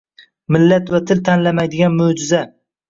Millat va til tanlamaydigan mo‘’jiza